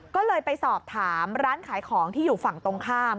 ก็เลยไปสอบถามร้านขายของที่อยู่ฝั่งตรงข้าม